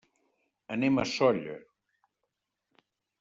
Anem a Sóller.